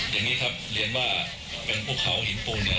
อย่างนี้ครับเรียนว่าเป็นภูเขาหินปูนเนี่ย